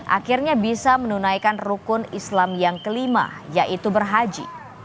akhirnya bisa menunaikan rukun islam yang kelima yaitu berhaji